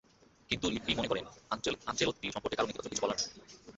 কিন্তু লিপ্পি মনে করেন, আনচেলত্তি সম্পর্কে কারও নেতিবাচক কিছু বলার নেই।